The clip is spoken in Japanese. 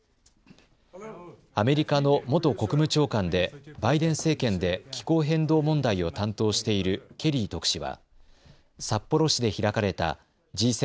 アメリカの元国務長官でバイデン政権で気候変動問題を担当しているケリー特使は札幌市で開かれたＧ７・